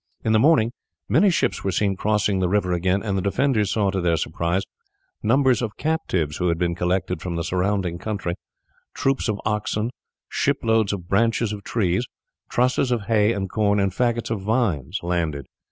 In the morning many ships were seen crossing the river again, and the defenders saw to their surprise numbers of captives who had been collected from the surrounding country, troops of oxen, ship loads of branches of trees, trusses of hay and corn, and faggots of vines landed.